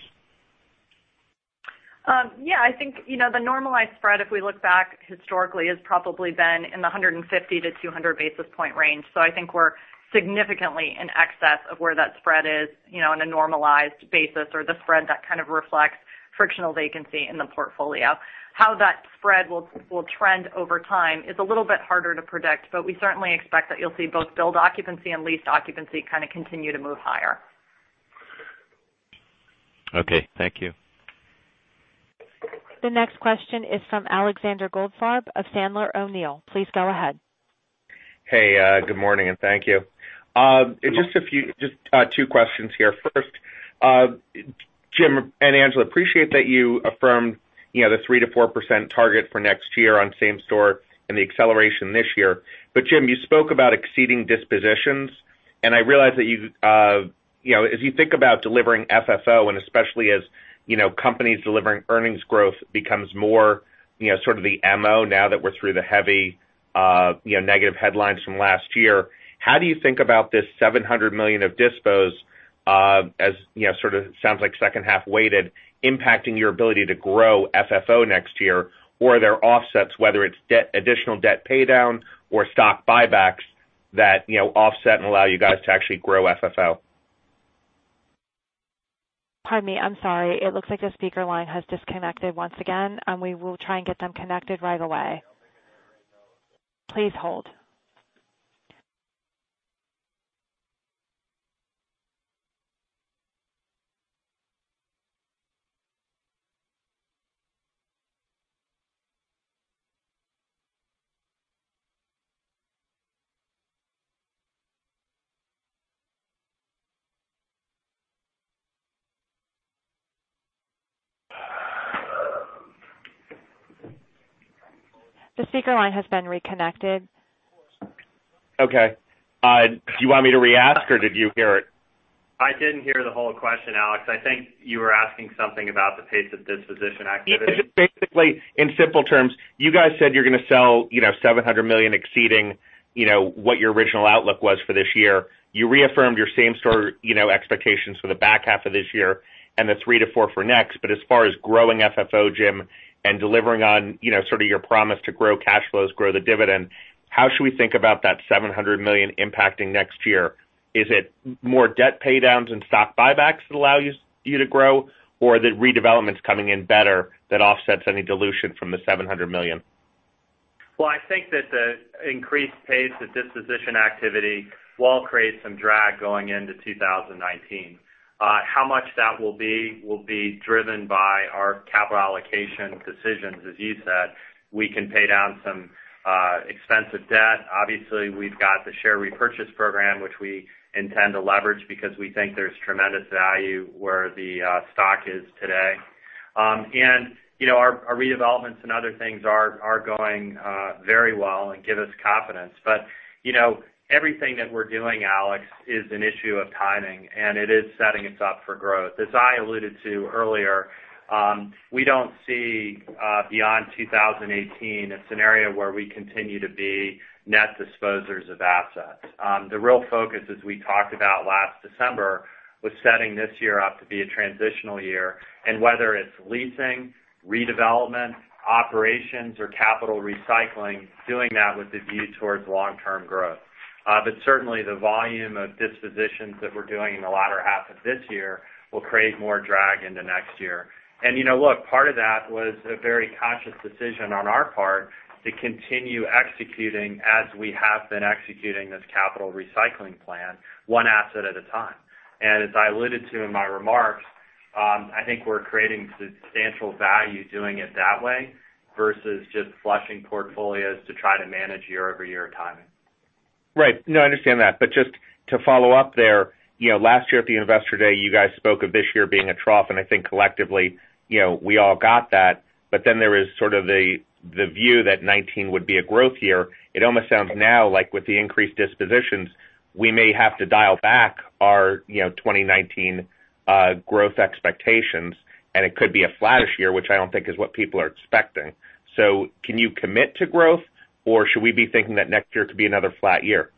Yeah, I think, the normalized spread, if we look back historically, has probably been in the 150-200 basis point range. I think we're significantly in excess of where that spread is in a normalized basis or the spread that kind of reflects frictional vacancy in the portfolio. How that spread will trend over time is a little bit harder to predict, we certainly expect that you'll see both build occupancy and leased occupancy kind of continue to move higher. Okay, thank you. The next question is from Alexander Goldfarb of Sandler O'Neill. Please go ahead. Hey, good morning, and thank you. Just two questions here. First, Jim and Angela, appreciate that you affirmed the 3%-4% target for next year on same store and the acceleration this year. Jim, you spoke about exceeding dispositions, and I realize that as you think about delivering FFO, and especially as companies delivering earnings growth becomes more sort of the MO now that we're through the heavy negative headlines from last year, how do you think about this $700 million of dispos as sort of, sounds like second half weighted, impacting your ability to grow FFO next year? Are there offsets, whether it's additional debt paydown or stock buybacks that offset and allow you guys to actually grow FFO? Pardon me. I'm sorry. It looks like the speaker line has disconnected once again. We will try and get them connected right away. Please hold. The speaker line has been reconnected. Okay. Do you want me to re-ask, or did you hear it? I didn't hear the whole question, Alex. I think you were asking something about the pace of disposition activity. Basically, in simple terms, you guys said you're going to sell $700 million exceeding what your original outlook was for this year. You reaffirmed your same store expectations for the back half of this year and the 3% to 4% for next. As far as growing FFO, Jim, and delivering on sort of your promise to grow cash flows, grow the dividend, how should we think about that $700 million impacting next year? Is it more debt paydowns and stock buybacks that allow you to grow, or the redevelopments coming in better that offsets any dilution from the $700 million? I think that the increased pace of disposition activity will create some drag going into 2019. How much that will be, will be driven by our capital allocation decisions, as you said. We can pay down some expensive debt. Obviously, we've got the share repurchase program, which we intend to leverage because we think there's tremendous value where the stock is today. Our redevelopments and other things are going very well and give us confidence. Everything that we're doing, Alex, is an issue of timing, and it is setting us up for growth. As I alluded to earlier, we don't see, beyond 2018, a scenario where we continue to be net disposers of assets. The real focus, as we talked about last December, was setting this year up to be a transitional year. Whether it's leasing, redevelopment, operations, or capital recycling, doing that with the view towards long-term growth. Certainly, the volume of dispositions that we're doing in the latter half of this year will create more drag into next year. Look, part of that was a very conscious decision on our part to continue executing as we have been executing this capital recycling plan, one asset at a time. As I alluded to in my remarks I think we're creating substantial value doing it that way versus just flushing portfolios to try to manage year-over-year timing. Right. No, I understand that. Just to follow up there, last year at the Investor Day, you guys spoke of this year being a trough. I think collectively, we all got that. There was sort of the view that 2019 would be a growth year. It almost sounds now like with the increased dispositions, we may have to dial back our 2019 growth expectations. It could be a flattish year, which I don't think is what people are expecting. Can you commit to growth, or should we be thinking that next year could be another flat year?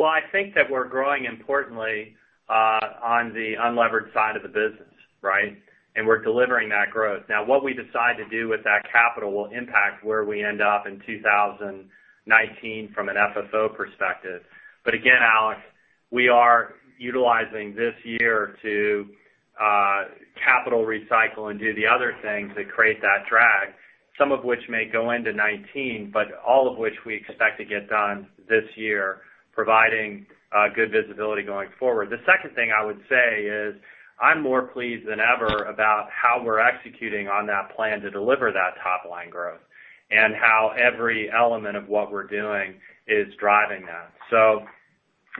I think that we're growing importantly, on the unlevered side of the business. Right? We're delivering that growth. Now, what we decide to do with that capital will impact where we end up in 2019 from an FFO perspective. Again, Alex, we are utilizing this year to capital recycle and do the other things that create that drag, some of which may go into 2019, but all of which we expect to get done this year, providing good visibility going forward. The second thing I would say is, I'm more pleased than ever about how we're executing on that plan to deliver that top-line growth. How every element of what we're doing is driving that.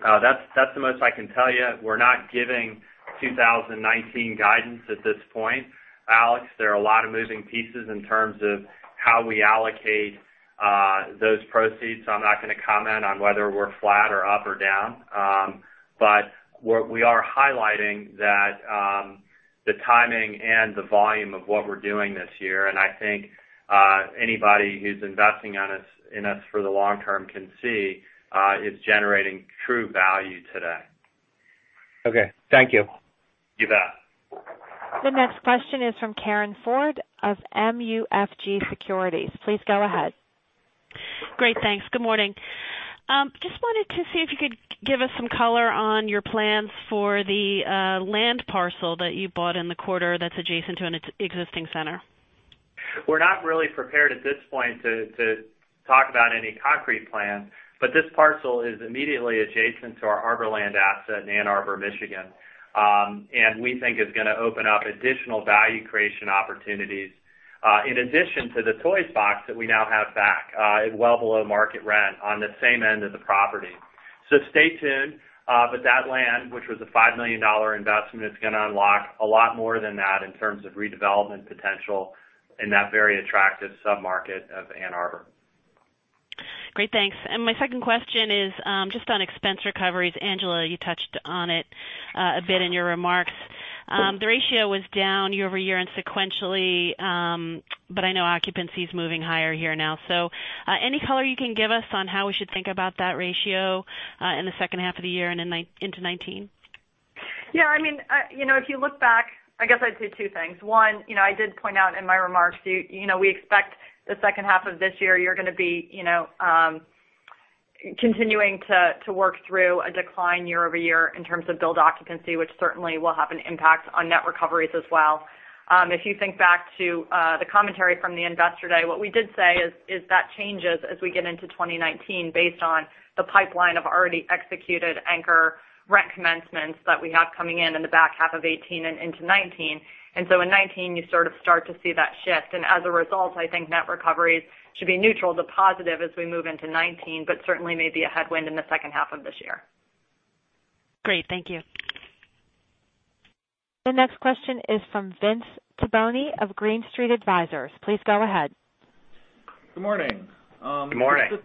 That's the most I can tell you. We're not giving 2019 guidance at this point, Alex. There are a lot of moving pieces in terms of how we allocate those proceeds. I'm not going to comment on whether we're flat or up or down. What we are highlighting that the timing and the volume of what we're doing this year, I think anybody who's investing in us for the long term can see, is generating true value today. Okay. Thank you. You bet. The next question is from Karin Ford of MUFG Securities. Please go ahead. Great. Thanks. Good morning. Just wanted to see if you could give us some color on your plans for the land parcel that you bought in the quarter that's adjacent to an existing center. We're not really prepared at this point to talk about any concrete plans, this parcel is immediately adjacent to our Arborland asset in Ann Arbor, Michigan. We think it's going to open up additional value creation opportunities, in addition to the Toys box that we now have back at well below market rent on the same end of the property. Stay tuned. That land, which was a $5 million investment, it's going to unlock a lot more than that in terms of redevelopment potential in that very attractive sub-market of Ann Arbor. Great. Thanks. My second question is just on expense recoveries. Angela, you touched on it a bit in your remarks. The ratio was down year-over-year and sequentially, I know occupancy's moving higher here now. Any color you can give us on how we should think about that ratio in the second half of the year and into 2019? If you look back, I guess I'd say two things. One, I did point out in my remarks, we expect the second half of this year, you're going to be continuing to work through a decline year-over-year in terms of build occupancy, which certainly will have an impact on net recoveries as well. If you think back to the commentary from the Investor Day, what we did say is that changes as we get into 2019 based on the pipeline of already executed anchor rent commencements that we have coming in in the back half of 2018 and into 2019. In 2019, you sort of start to see that shift. As a result, I think net recoveries should be neutral to positive as we move into 2019, certainly may be a headwind in the second half of this year. Great. Thank you. The next question is from Vince Tibone of Green Street Advisors. Please go ahead. Good morning. Good morning.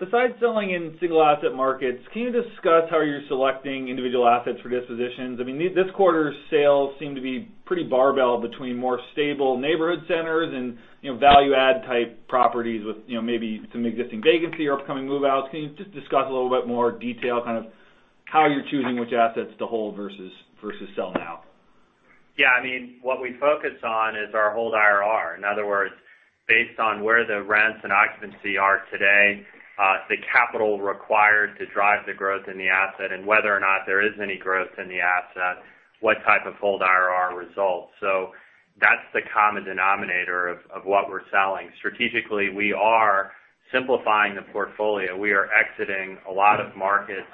Besides selling in single asset markets, can you discuss how you're selecting individual assets for dispositions? This quarter's sales seem to be pretty barbell between more stable neighborhood centers and value add type properties with maybe some existing vacancy or upcoming move-outs. Can you just discuss a little bit more detail, kind of how you're choosing which assets to hold versus sell now? What we focus on is our hold IRR. In other words, based on where the rents and occupancy are today, the capital required to drive the growth in the asset, and whether or not there is any growth in the asset, what type of hold IRR results. That's the common denominator of what we're selling. Strategically, we are simplifying the portfolio. We are exiting a lot of markets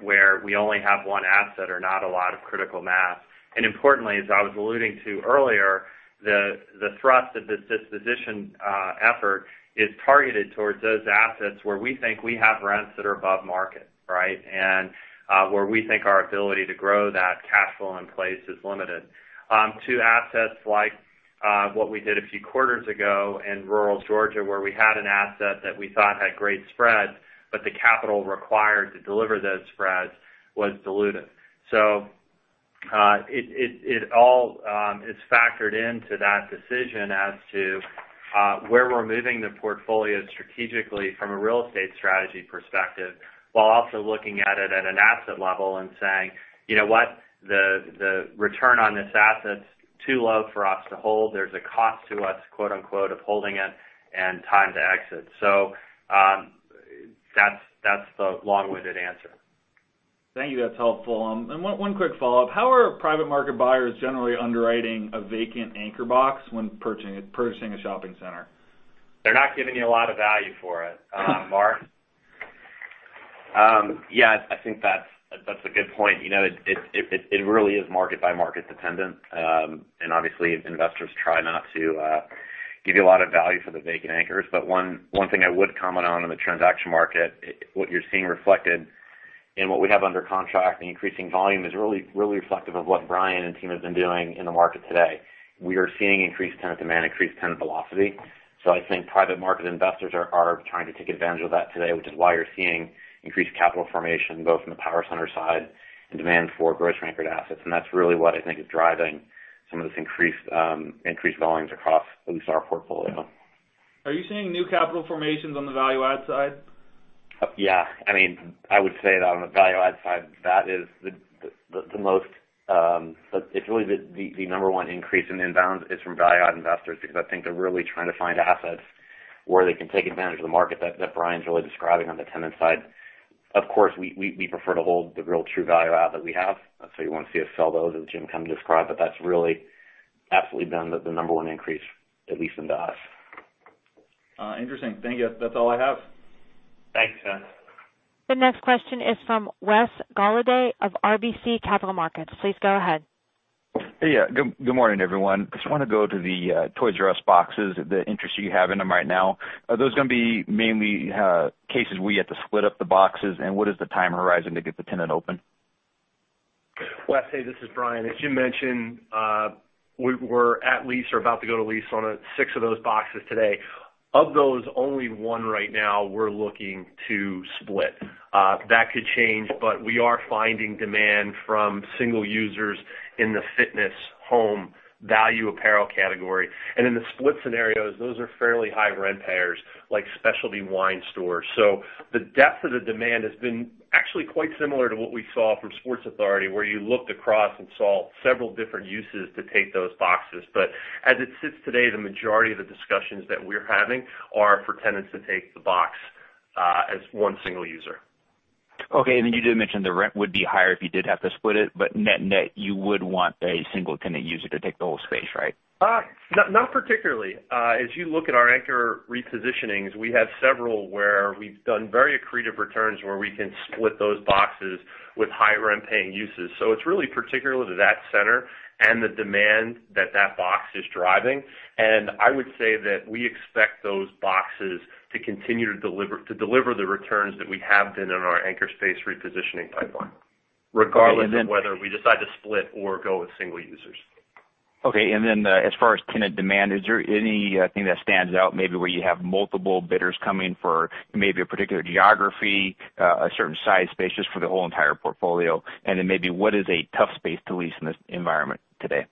where we only have one asset or not a lot of critical mass. Importantly, as I was alluding to earlier, the thrust of this disposition effort is targeted towards those assets where we think we have rents that are above market, right? Where we think our ability to grow that cash flow in place is limited. To assets like what we did a few quarters ago in rural Georgia, where we had an asset that we thought had great spreads, but the capital required to deliver those spreads was diluted. It all is factored into that decision as to where we're moving the portfolio strategically from a real estate strategy perspective, while also looking at it at an asset level and saying, "You know what? The return on this asset's too low for us to hold. There's a cost to us, quote, unquote, of holding it, and time to exit." That's the long-winded answer. Thank you. That's helpful. One quick follow-up. How are private market buyers generally underwriting a vacant anchor box when purchasing a shopping center? They're not giving you a lot of value for it, Mark. Yeah, I think that's a good point. It really is market by market dependent. Obviously investors try not to give you a lot of value for the vacant anchors. One thing I would comment on in the transaction market, what you're seeing reflected in what we have under contract and increasing volume is really reflective of what Brian and team have been doing in the market today. We are seeing increased tenant demand, increased tenant velocity. I think private market investors are trying to take advantage of that today, which is why you're seeing increased capital formation both in the power center side and demand for grocery-anchored assets. That's really what I think is driving some of this increased volumes across at least our portfolio. Are you seeing new capital formations on the value add side? Yeah, I would say that on the value add side, it's really the number one increase in inbounds is from value add investors, because I think they're really trying to find assets where they can take advantage of the market that Brian's really describing on the tenant side. Of course, we prefer to hold the real true value add that we have. You won't see us sell those as Jim come described. That's really absolutely been the number one increase, at least into us. Interesting. Thank you. That's all I have. Thanks, Seth. The next question is from Wesley Golladay of RBC Capital Markets. Please go ahead. Yeah. Good morning, everyone. Just want to go to the Toys 'R' Us boxes, the interest you have in them right now. Are those going to be mainly cases where you have to split up the boxes? What is the time horizon to get the tenant open? Wes, hey, this is Brian. As Jim mentioned, we're at lease or about to go to lease on six of those boxes today. Of those, only one right now we're looking to split. That could change, but we are finding demand from single users in the fitness, home, value apparel category. In the split scenarios, those are fairly high rent payers like specialty wine stores. The depth of the demand has been actually quite similar to what we saw from Sports Authority, where you looked across and saw several different uses to take those boxes. As it sits today, the majority of the discussions that we're having are for tenants to take the box as one single user. You did mention the rent would be higher if you did have to split it, but net-net, you would want a single tenant user to take the whole space, right? Not particularly. As you look at our anchor repositionings, we have several where we've done very accretive returns where we can split those boxes with high rent-paying uses. It's really particular to that center and the demand that that box is driving. I would say that we expect those boxes to continue to deliver the returns that we have been in our anchor space repositioning pipeline, regardless of whether we decide to split or go with single users. Okay, as far as tenant demand, is there anything that stands out, maybe where you have multiple bidders coming for maybe a particular geography, a certain size space, just for the whole entire portfolio? Maybe what is a tough space to lease in this environment today?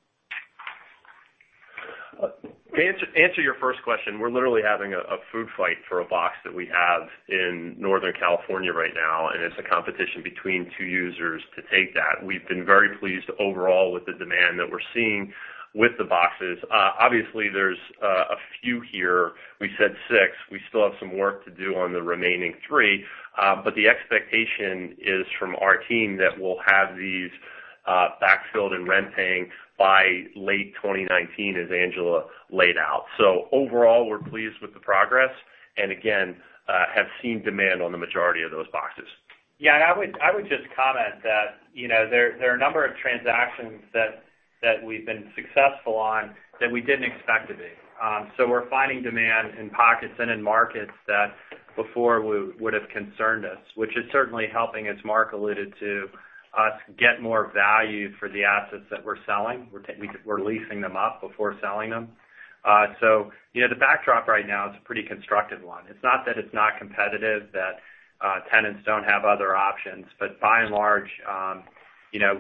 To answer your first question, we're literally having a food fight for a box that we have in Northern California right now, it's a competition between two users to take that. We've been very pleased overall with the demand that we're seeing with the boxes. Obviously, there's a few here. We said six. We still have some work to do on the remaining three. The expectation is from our team that we'll have these backfilled and rent paying by late 2019, as Angela laid out. Overall, we're pleased with the progress, and again, have seen demand on the majority of those boxes. Yeah, I would just comment that there are a number of transactions that we've been successful on that we didn't expect to be. We're finding demand in pockets and in markets that before would've concerned us, which is certainly helping, as Mark alluded to, us get more value for the assets that we're selling. We're leasing them up before selling them. The backdrop right now is a pretty constructive one. It's not that it's not competitive, that tenants don't have other options, but by and large,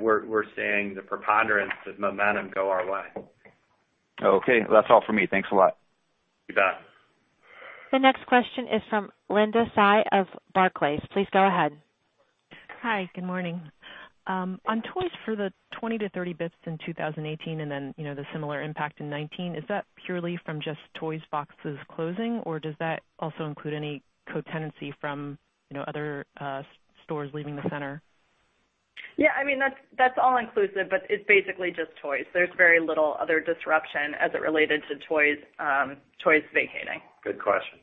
we're seeing the preponderance of momentum go our way. Okay. That's all for me. Thanks a lot. You bet. The next question is from Linda Tsai of Barclays. Please go ahead. Hi. Good morning. On Toys 'R' Us for the 20-30 basis points in 2018 and then the similar impact in 2019, is that purely from just Toys 'R' Us closing, or does that also include any co-tenancy from other stores leaving the center? That's all inclusive, but it's basically just Toys 'R' Us. There's very little other disruption as it related to Toys 'R' Us vacating. Good question.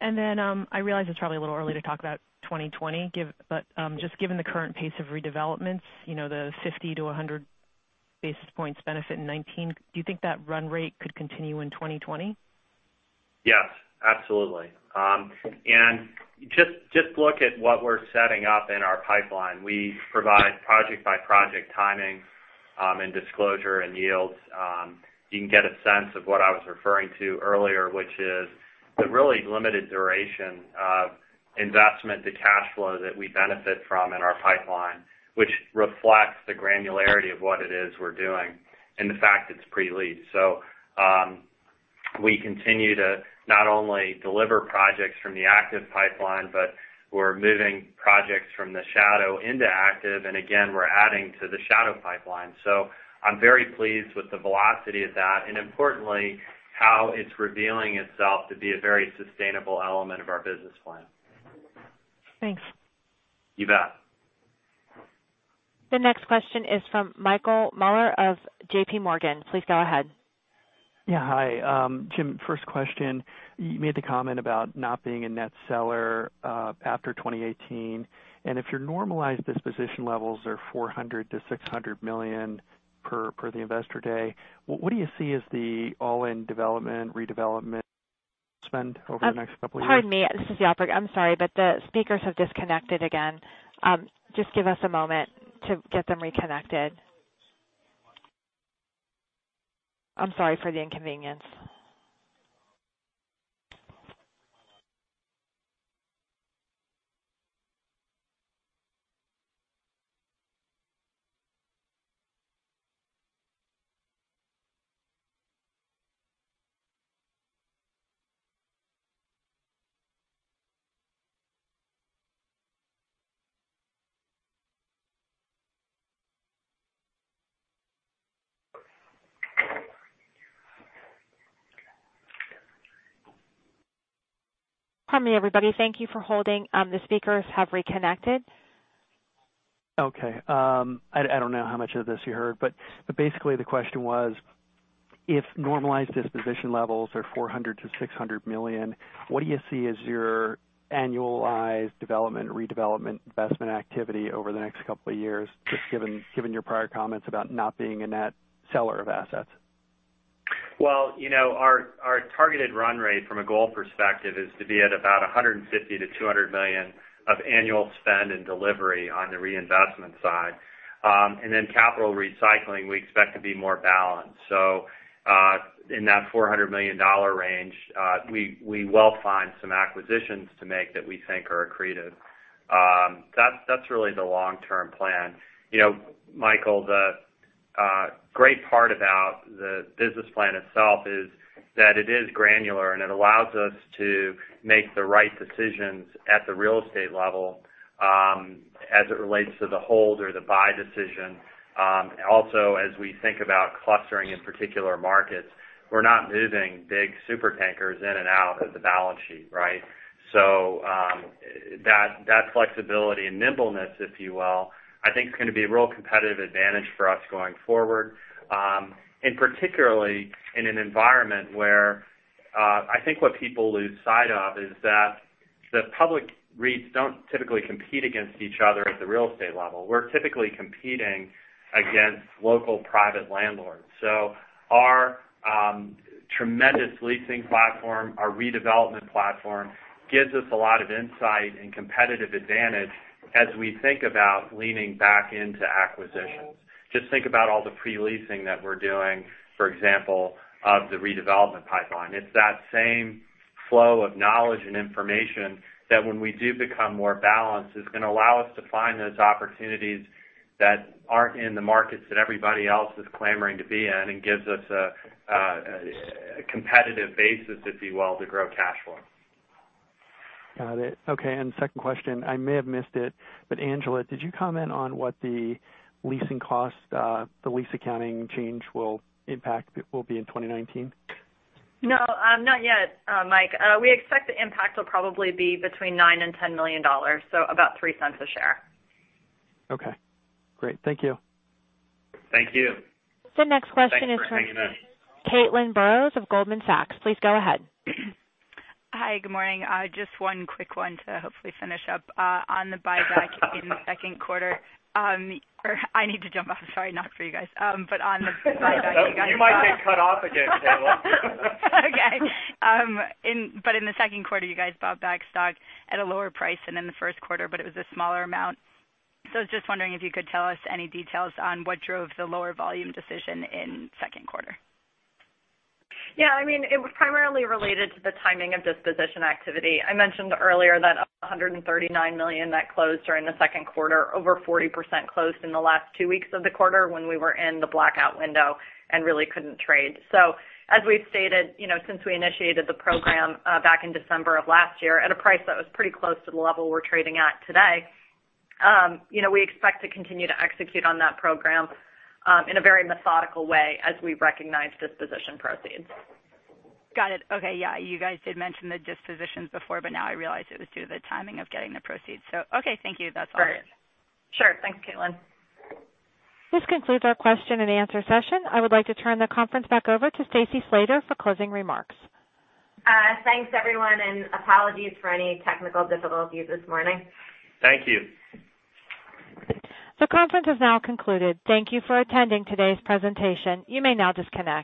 I realize it's probably a little early to talk about 2020, but just given the current pace of redevelopments, the 50-100 basis points benefit in 2019, do you think that run rate could continue in 2020? Yes, absolutely. Just look at what we're setting up in our pipeline. We provide project by project timing and disclosure and yields. You can get a sense of what I was referring to earlier, which is the really limited duration of investment to cash flow that we benefit from in our pipeline, which reflects the granularity of what it is we're doing and the fact it's pre-leased. We continue to not only deliver projects from the active pipeline, but we're moving projects from the shadow into active. Again, we're adding to the shadow pipeline. I'm very pleased with the velocity of that and importantly, how it's revealing itself to be a very sustainable element of our business plan. Thanks. You bet. The next question is from Michael Mueller of JPMorgan. Please go ahead. Yeah. Hi. Jim, first question. You made the comment about not being a net seller after 2018. If your normalized disposition levels are $400 million-$600 million per the investor day, what do you see as the all-in development, redevelopment spend over the next couple of years? Pardon me. This is the operator. I'm sorry, the speakers have disconnected again. Just give us a moment to get them reconnected. I'm sorry for the inconvenience. Pardon me, everybody. Thank you for holding. The speakers have reconnected. Okay. I don't know how much of this you heard, basically, the question was, if normalized disposition levels are $400 million-$600 million, what do you see as your annualized development, redevelopment investment activity over the next couple of years, just given your prior comments about not being a net seller of assets? Well, our targeted run rate from a goal perspective is to be at about $150 million-$200 million of annual spend and delivery on the reinvestment side. Capital recycling, we expect to be more balanced. In that $400 million range, we will find some acquisitions to make that we think are accretive. That's really the long-term plan. Michael, the great part about the business plan itself is that it is granular, and it allows us to make the right decisions at the real estate level as it relates to the hold or the buy decision. Also, as we think about clustering in particular markets, we're not moving big super tankers in and out of the balance sheet, right? That flexibility and nimbleness, if you will, I think is going to be a real competitive advantage for us going forward. Particularly in an environment where I think what people lose sight of is that the public REITs don't typically compete against each other at the real estate level. We're typically competing against local private landlords. Our tremendous leasing platform, our redevelopment platform, gives us a lot of insight and competitive advantage as we think about leaning back into acquisitions. Just think about all the pre-leasing that we're doing, for example, of the redevelopment pipeline. It's that same flow of knowledge and information that when we do become more balanced, it's going to allow us to find those opportunities that aren't in the markets that everybody else is clamoring to be in and gives us a competitive basis, if you will, to grow cash flow. Got it. Okay. Second question. I may have missed it, but Angela, did you comment on what the leasing cost, the lease accounting change impact will be in 2019? No, not yet, Mike. We expect the impact will probably be between $9 million and $10 million, so about $0.03 a share. Okay, great. Thank you. Thank you. The next question is from- Thanks for hanging in. Caitlin Burrows of Goldman Sachs. Please go ahead. Hi, good morning. Just one quick one to hopefully finish up. On the buyback in the second quarter. I need to jump off, sorry, not for you guys. On the buyback- You might get cut off again, Caitlin. Okay. In the second quarter, you guys bought back stock at a lower price than in the first quarter, but it was a smaller amount. I was just wondering if you could tell us any details on what drove the lower volume decision in the second quarter. Yeah. It was primarily related to the timing of disposition activity. I mentioned earlier that $139 million that closed during the second quarter, over 40% closed in the last two weeks of the quarter when we were in the blackout window and really couldn't trade. As we've stated, since we initiated the program back in December of last year at a price that was pretty close to the level we're trading at today, we expect to continue to execute on that program in a very methodical way as we recognize disposition proceeds. Got it. Okay. Yeah, you guys did mention the dispositions before. Now I realize it was due to the timing of getting the proceeds. Okay. Thank you. That's all I had. Sure. Thanks, Caitlin. This concludes our question and answer session. I would like to turn the conference back over to Stacy Slater for closing remarks. Thanks, everyone, apologies for any technical difficulties this morning. Thank you. The conference has now concluded. Thank you for attending today's presentation. You may now disconnect.